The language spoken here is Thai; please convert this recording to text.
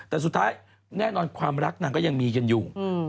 แต่สุดท้ายแน่นอนความรักนางก็ยังมีกันอยู่